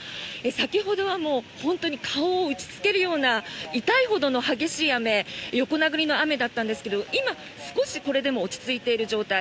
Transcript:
先ほどは本当に顔を打ちつけるような痛いほどの激しい雨横殴りの雨だったんですが今、少しこれでも落ち着いている状態。